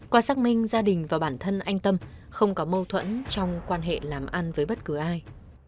qua xác minh gia đình và bản thân anh tâm không có mâu thuẫn trong quan hệ làm ăn với bất cứ ai